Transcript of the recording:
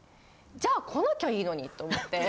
じゃあ来なきゃいいのにと思って。